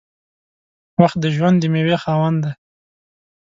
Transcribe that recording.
• وخت د ژوند د میوې خاوند دی.